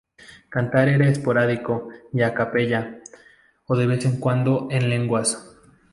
Cantar era esporádico y a capella, o de vez en cuando en lenguas.